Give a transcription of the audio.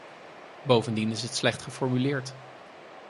Bovendien is het slecht geformuleerd.